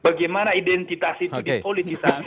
bagaimana identitas itu dipolitisasi